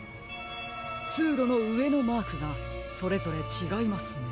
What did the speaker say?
つうろのうえのマークがそれぞれちがいますね。